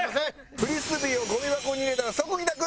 フリスビーをゴミ箱に入れたら即帰宅！